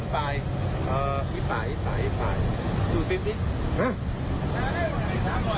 แค่ไหนวะ